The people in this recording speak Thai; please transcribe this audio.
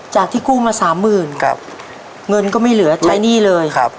ที่กู้มาสามหมื่นครับเงินก็ไม่เหลือใช้หนี้เลยครับ